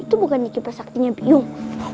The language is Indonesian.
itu bukannya kipas saktinya biung